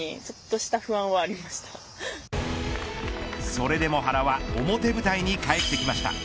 それでも原は表舞台に帰ってきました。